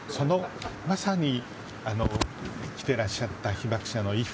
まさに着ていらっしゃった被爆者の衣服